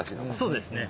そうですね。